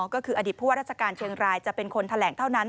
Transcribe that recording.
ก็คืออดีตผู้ว่าราชการเชียงรายจะเป็นคนแถลงเท่านั้น